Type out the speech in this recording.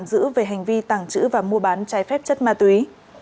họ đã bắt giữ về hành vi tàng trữ và mua bán chai phép chất ma túy